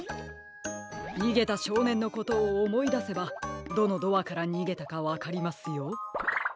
にげたしょうねんのことをおもいだせばどのドアからにげたかわかりますよ。